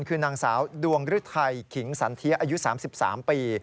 คือนางสาวดวงฤทัยขิงสันเทียอายุ๓๓ปี